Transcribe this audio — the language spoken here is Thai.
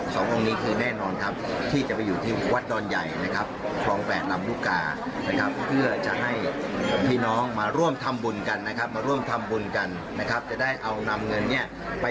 สององค์นี้คือแน่นอนครับที่จะไปอยู่ที่วัดดอนใหญ่นะครับคลองแปดลำลูกกานะครับเพื่อจะให้พี่น้องมาร่วมทำบุญกันนะครับมาร่วมทำบุญกันนะครับจะได้เอานำเงินเนี่ยไป